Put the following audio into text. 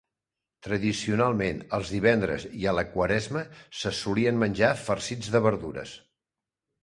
Tradicionalment els divendres i a la quaresma se solien menjar farcits de verdures.